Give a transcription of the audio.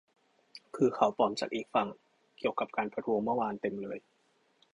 คือข่าวปลอมจากอีกฝั่งเกี่ยวกับการประท้วงเมื่อวานเต็มเลย